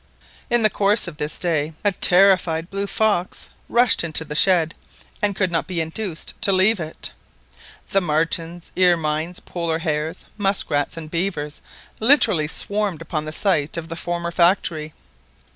In the course of this day a terrified blue fox rushed into the shed, and could not be induced to leave it. The martens, ermines, polar hares, musk rats, and beavers literally swarmed upon the site of the former factory.